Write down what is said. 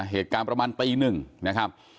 เหตุการณ์ประมาณตีหนึ่งนะครับ